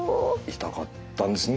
痛かったですね。